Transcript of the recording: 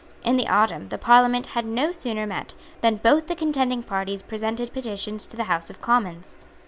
In the autumn, the Parliament had no sooner met than both the contending parties presented petitions to the House of Commons.